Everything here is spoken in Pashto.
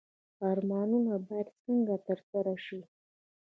ارمانونه باید څنګه ترسره شي؟